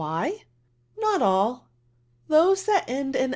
»" Not alL Those that end in.